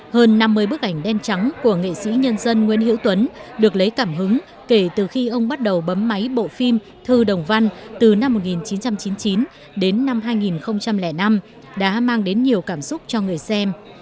hơn năm mươi bức ảnh đen trắng của nghệ sĩ nhân dân nguyễn hữu tuấn được lấy cảm hứng kể từ khi ông bắt đầu bấm máy bộ phim thư đồng văn từ năm một nghìn chín trăm chín mươi chín đến năm hai nghìn năm đã mang đến nhiều cảm xúc cho người xem